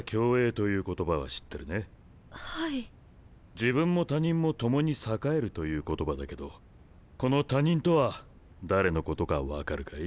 自分も他人も共に栄えるという言葉だけどこの他人とは誰のことか分かるかい？